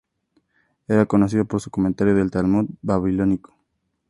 Era conocido por su comentario del Talmud babilónico.